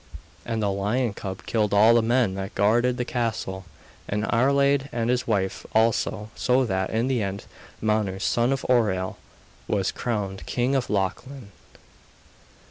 And the lion cub killed all the men that guarded the castle, and Iarlaid and his wife also, so that, in the end, Manus son of Oireal was crowned king of Lochlann.